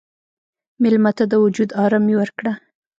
مېلمه ته د وجود ارامي ورکړه.